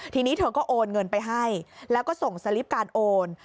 ทีนี้เธอก็โอนเงินไปให้แล้วก็ส่งสลิปการโอน